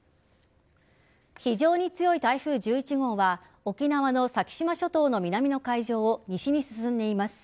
非常に強い台風１１号は沖縄の先島諸島の南の海上を西に進んでいます。